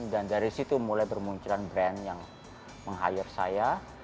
dan dari situ mulai bermunculan brand yang meng hire saya